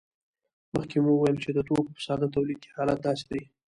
مخکې مو وویل چې د توکو په ساده تولید کې حالت داسې دی